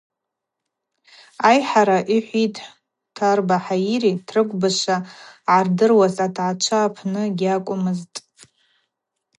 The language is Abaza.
Айхӏарала, йхӏвитӏ Квтарба Хаири, трыкв бызшва ъардыруаз атгӏачва апны гьакӏвмызтӏ.